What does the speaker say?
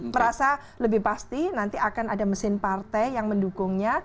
merasa lebih pasti nanti akan ada mesin partai yang mendukungnya